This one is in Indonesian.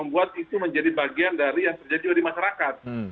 ada proses untuk membuat itu menjadi bagian dari yang terjadi di masyarakat